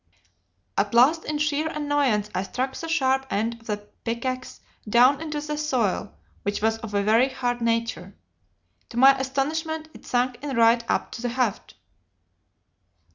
At last in sheer annoyance I struck the sharp end of the pickaxe down into the soil, which was of a very hard nature. To my astonishment it sunk in right up to the haft.